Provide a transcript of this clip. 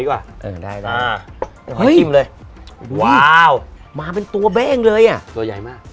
เว้ามาเป็นตัวแบงเลยตัวใหญ่มาก